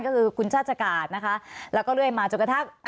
ก็คือคุณชาติกาศนะคะแล้วก็เรื่อยมาจนกระทั่ง